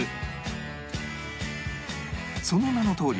その名のとおり